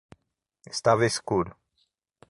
Estava escuro